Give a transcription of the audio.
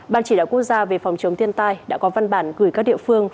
ban chỉ đạo quốc gia về phòng chống thiên tai đã có văn bản gửi các địa phương